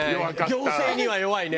行政には弱いね。